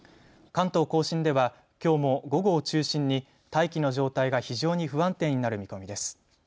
関東甲信ではきょうも午後を中心に大気の状態が非常に不安定になる見込みです。